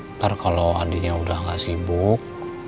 ntar kalau adiknya udah gak sibuk